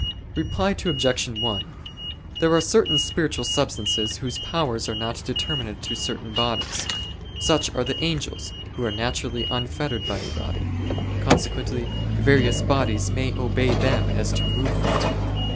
Reply Obj. 1: There are certain spiritual substances whose powers are not determinate to certain bodies; such are the angels who are naturally unfettered by a body; consequently various bodies may obey them as to movement.